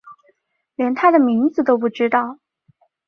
连他的名字都不知道